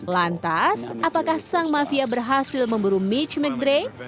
lantas apakah sang mafia berhasil memburu mitch mcdray